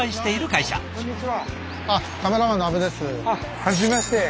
はじめまして。